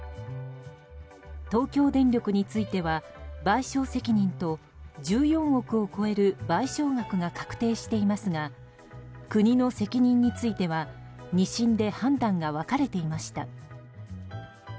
東京電力については賠償責任と１４億を超える賠償額が確定していますが国の責任については２審で判断が分かれていました。